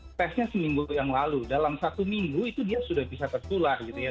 karena kalau testnya seminggu yang lalu dalam satu minggu itu dia sudah bisa tersular gitu ya